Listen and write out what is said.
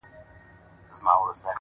څنگه دي وستايمه”